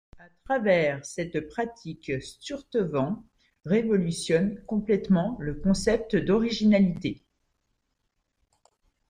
À travers cette pratique, Sturtevant révolutionne complètement le concept d'originalité.